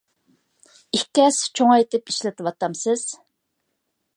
ئىككى ھەسسە چوڭايتىپ ئىشلىتىۋاتامسىز؟